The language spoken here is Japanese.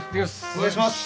お願いします。